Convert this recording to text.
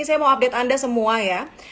saya mau update anda semua ya